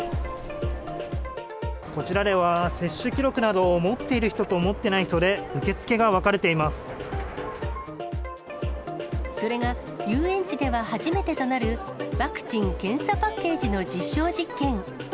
こちらでは、接種記録などを持っている人と持っていない人とで、受付が分かれそれが、遊園地では初めてとなる、検査パッケージの実証実験。